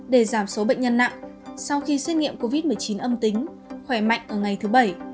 để giảm số bệnh nhân nặng sau khi xét nghiệm covid một mươi chín âm tính khỏe mạnh ở ngày thứ bảy